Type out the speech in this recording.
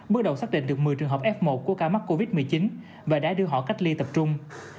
bước đầu xác định được một mươi trường hợp f một của ca mắc covid một mươi chín và đã đưa họ cách ly tập trung